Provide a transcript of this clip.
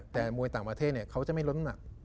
แต่มวยต่างประเทศเนี่ยเขาจะไม่ลดน้ำหนัก